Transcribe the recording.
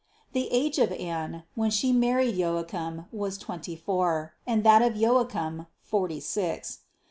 The age of Anne, when She mar ried Joachim, was twenty four, and that of Joachim, forty six.